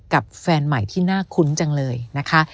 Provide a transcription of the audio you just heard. แฟนใหม่ที่น่าคุ้นจังเลยนะคะ